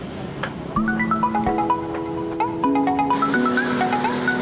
yang sedang ditempatkan di jakarta yangardensex